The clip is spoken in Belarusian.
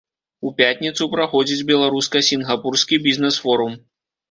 У пятніцу праходзіць беларуска-сінгапурскі бізнэс-форум.